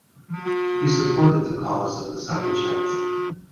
He supported the cause of the Suffragettes.